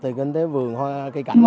từ kinh tế vườn hoa cây cảnh